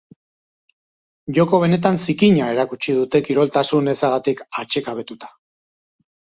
Joko benetan zikina erakutsi dute kiroltasun ezagatik atsekabetuta.